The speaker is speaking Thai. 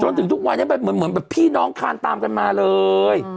จนถึงทุกวันนี้แบบเหมือนเหมือนแบบพี่น้องคานตามกันมาเลยอ๋อ